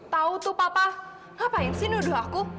tau tuh papa ngapain sih nuduh aku